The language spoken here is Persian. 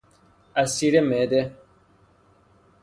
عصیر معده